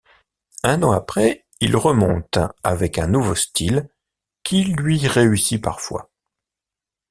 Un an après, il remonte avec un nouveau style qui lui réussit parfois.